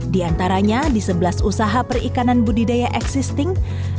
di antaranya di sebelas usaha perikanan budidaya existing